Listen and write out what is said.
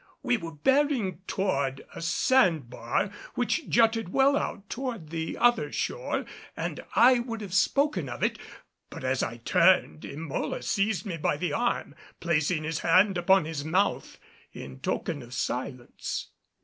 We were bearing toward a sand bar which jutted well out toward the other shore and I would have spoken of it; but as I turned, Emola seized me by the arm, placing his hand upon his mouth in token of silence.